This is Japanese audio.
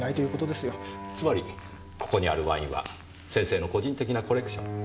つまりここにあるワインは先生の個人的なコレクション。